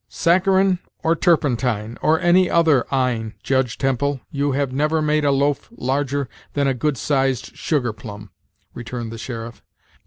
"Saccharine, or turpentine, or any other 'ine, Judge Temple, you have never made a loaf larger than a good sized sugar plum," returned the sheriff.